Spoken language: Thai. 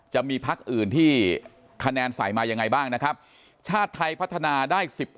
จะมีพักอื่นที่คะแนนใส่มายังไงบ้างนะครับชาติไทยพัฒนาได้๑๘